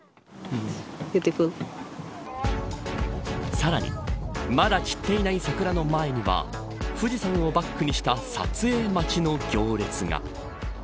さらに、まだ散っていない桜の前には富士山をバックにした撮影待ちの行列が。